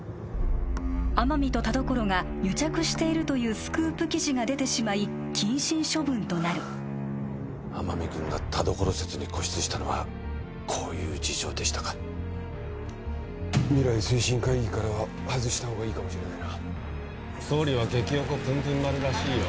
天海と田所が癒着しているというスクープ記事が出てしまい謹慎処分となる天海君が田所説に固執したのはこういう事情でしたか未来推進会議からは外した方がいいかもしれないな総理は激おこぷんぷん丸らしいよ